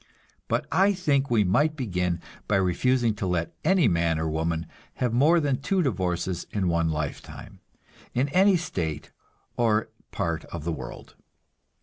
But I think we might begin by refusing to let any man or woman have more than two divorces in one lifetime, in any state or part of the world.